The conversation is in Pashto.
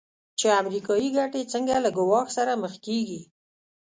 چې امریکایي ګټې څنګه له ګواښ سره مخ کېږي.